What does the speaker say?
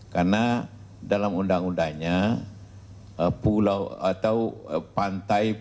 karena dalam undang undangnya pantai